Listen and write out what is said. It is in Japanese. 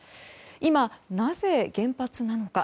今、なぜ原発なのか。